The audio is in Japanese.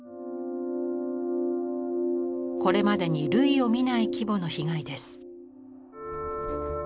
これまでに類を見ない規模の被害です。